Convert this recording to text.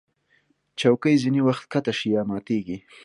چوکۍ ځینې وخت ښکته شي یا ماتېږي.